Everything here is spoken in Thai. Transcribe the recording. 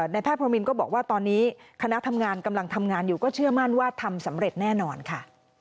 แพทย์พรมินก็บอกว่าตอนนี้คณะทำงานกำลังทำงานอยู่ก็เชื่อมั่นว่าทำสำเร็จแน่นอนค่ะ